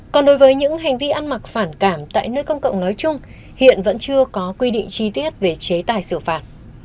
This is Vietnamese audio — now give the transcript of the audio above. còn đối với những hành vi ăn mặc phản cảm tại nơi công cộng nói chung hiện vẫn chưa có quy định chi tiết về chế tài xử phạt